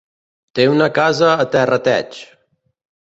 Té una casa a Terrateig.